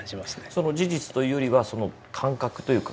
その事実というよりは感覚というか。